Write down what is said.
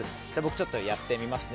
ちょっとやってみますね。